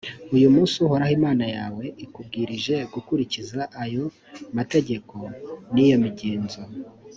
uyu munsi uhoraho imana yawe akubwirije gukurikiza ayo mategeko n’iyo migenzo: